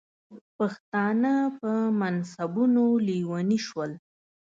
پښتانه په منصبونو لیوني شول.